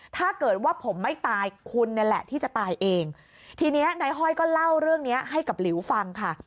ถ้าเกิดว่าผมไม่ตายคุณนี่แหละที่จะตายเองทีเนี้ยนายห้อยก็เล่าเรื่องเนี้ยให้กับหลิวฟังค่ะ